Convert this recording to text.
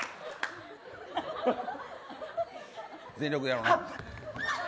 全力でやろうな。